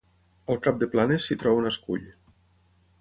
Al cap de Planes s'hi troba un escull.